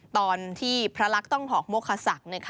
ตอนที่พระลักษณ์ต้องหอกโมคศักดิ์